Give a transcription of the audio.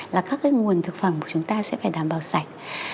là các cái nguồn thực phẩm của chúng ta sẽ phải đảm bảo sạch